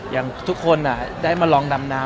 อย่างทุกคนได้มาลองดำน้ำ